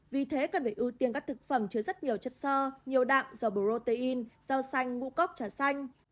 vì thế cần phải ưu tiên các thực phẩm chứa rất nhiều chất so nhiều đạm do protein rau xanh ngũ cốc trà xanh